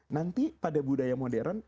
nanti pada budaya modern